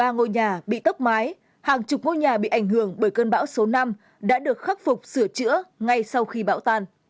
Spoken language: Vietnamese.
ba ngôi nhà bị tốc mái hàng chục ngôi nhà bị ảnh hưởng bởi cơn bão số năm đã được khắc phục sửa chữa ngay sau khi bão tan